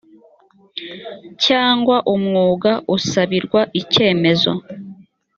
cyangwa umwuga usabirwa icyemezo